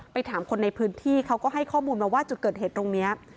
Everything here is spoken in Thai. ถามคนในพื้นที่เขาก็ให้ข้อมูลมาว่าจุดเกิดเหตุตรงนี้